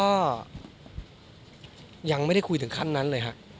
ก็ยังไม่ได้คุยถึงขั้นนั้นเลยฮะ